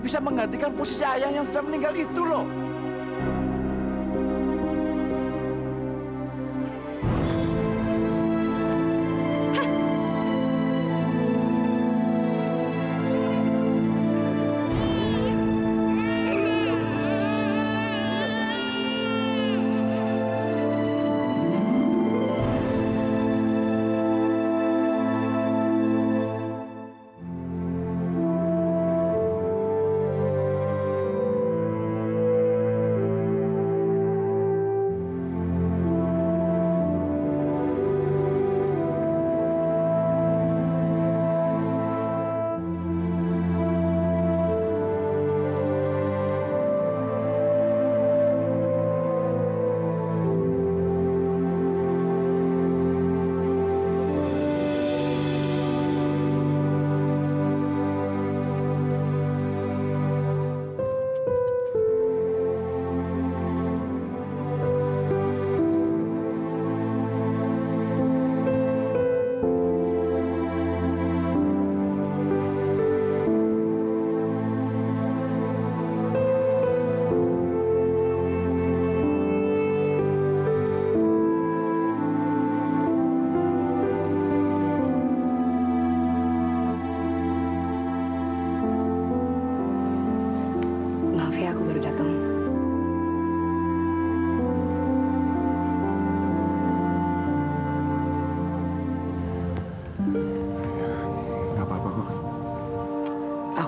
sampai jumpa di video selanjutnya